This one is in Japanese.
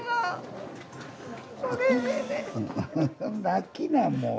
泣きなもう。